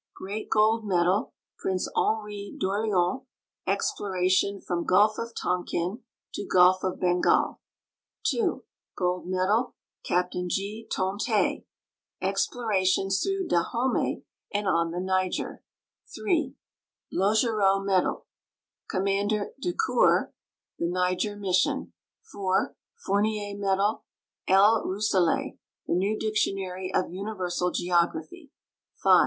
Great Gold Medal, Prince Henri d'Orleans, Exploration from gulf of Tonkin to gulf of Bengal ; 2. Gold Medal, Captain G. Toutee, Ex plorations tlirough Dahomey and on the Niger ; 3. Logerot Medal, Com mander Decoeuer, The Niger Mission; 4. Fournier Medal, L. Romsselet, The New Dictionary of Universal Geography ; 5.